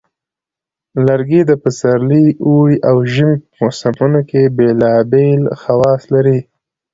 لرګي د پسرلي، اوړي، او ژمي په موسمونو کې بیلابیل خواص لري.